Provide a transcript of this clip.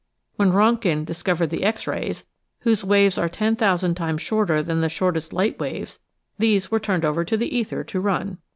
When Rontgen discovered the X rays, whose waves are 10,000 times shorter than the shortest light waves, these were turned over to the ether to run.